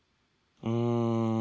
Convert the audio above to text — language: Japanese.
うん。